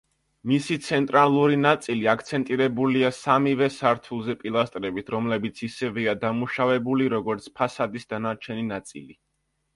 მისი ცენტრალური ნაწილი აქცენტირებულია სამივე სართულზე პილასტრებით, რომლებიც ისევეა დამუშავებული, როგორც ფასადის დანარჩენი ნაწილი.